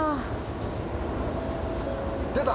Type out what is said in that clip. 出た！